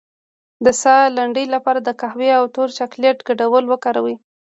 د ساه لنډۍ لپاره د قهوې او تور چاکلیټ ګډول وکاروئ